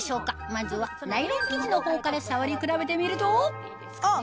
まずはナイロン生地の方から触り比べてみるとあっ！